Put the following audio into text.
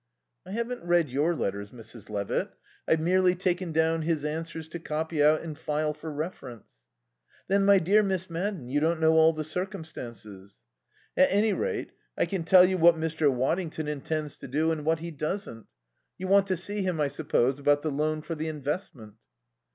"I haven't read your letters, Mrs. Levitt. I've merely taken down his answers to copy out and file for reference." "Then, my dear Miss Madden, you don't know all the circumstances." "At any rate, I can tell you what Mr. Waddington intends to do and what he doesn't. You want to see him, I suppose, about the loan for the investment?"